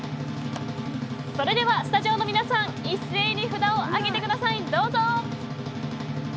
それではスタジオの皆さん一斉に札を上げてください。